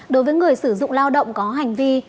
đối với người sử dụng lao động có hành vi